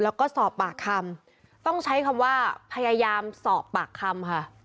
และสอบปากคำต้องพยายามสอบปากคำ